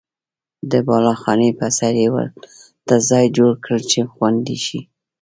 د بالاخانې په سر یې ورته ځای جوړ کړل چې خوندي شي.